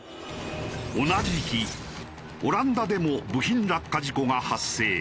同じ日オランダでも部品落下事故が発生。